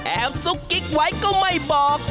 ซุกกิ๊กไว้ก็ไม่บอก